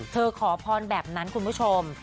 ขอพรแบบนั้นคุณผู้ชม